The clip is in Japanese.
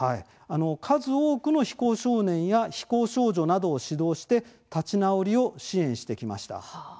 数多くの非行少年や非行少女などを指導して立ち直りを支援してきました。